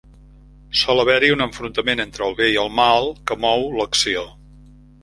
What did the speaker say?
Sol haver-hi un enfrontament entre el Bé i el Mal que mou l'acció.